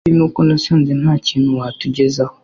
ikindi ni uko nasanze nta kintu watugezaho